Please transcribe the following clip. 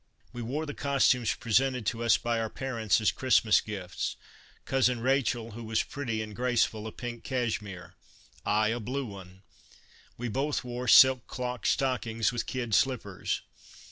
We wore the costumes presented to us by our parents as Christmas gifts — Cousin Rachel, who was pretty and graceful, a pink cashmere ; I, a blue one ; we both wore silk clock stockings with Christinas Under Three Nags kid slippers.